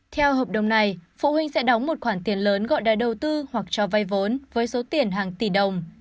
theo hợp đồng này phụ huynh sẽ đóng một khoản tiền lớn gọi đã đầu tư hoặc cho vay vốn với số tiền hàng tỷ đồng